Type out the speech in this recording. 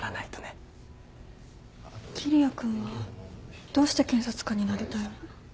桐矢君はどうして検察官になりたいの？